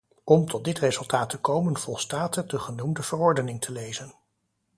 Om tot dit resultaat te komen volstaat het de genoemde verordening te lezen.